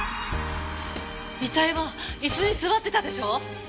遺体は椅子に座ってたでしょ？